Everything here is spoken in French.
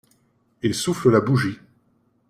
Il souffle la bougie.